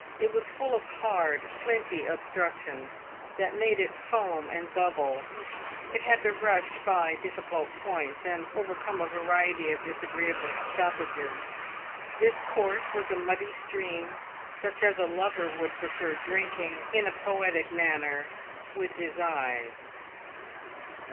It was full of hard, flinty obstructions, that made it foam and bubble ; it had to rush by difficult points, and overcome a variety of disagreeable stoppages. This course was a muddy stream, such as a lover would prefer drinking, in a poetic manner, with his eyes.